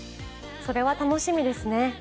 それは楽しみですね。